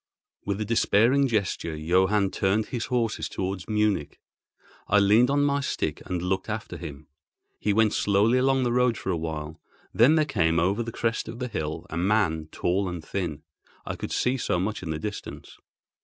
With a despairing gesture, Johann turned his horses towards Munich. I leaned on my stick and looked after him. He went slowly along the road for a while: then there came over the crest of the hill a man tall and thin. I could see so much in the distance.